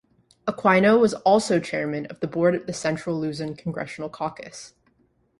Aquino was also Chairman of the Board of the Central Luzon Congressional Caucus.